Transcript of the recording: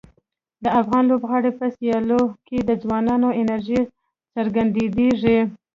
د افغان لوبغاړو په سیالیو کې د ځوانانو انرژي څرګندیږي.